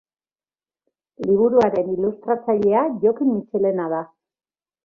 Liburuaren ilustratzailea Jokin Mitxelena da.